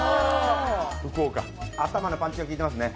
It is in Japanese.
頭のパンチがきいていますね。